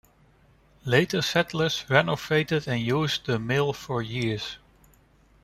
Later settlers renovated and used the mill for years.